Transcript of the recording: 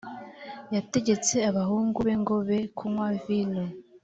yategetse abahungu be ngo be kunywa vino